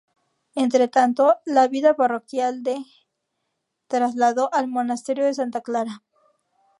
Entre tanto, la vida parroquial de trasladó al Monasterio de Santa Clara.